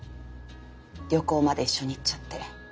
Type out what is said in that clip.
旅行まで一緒に行っちゃって。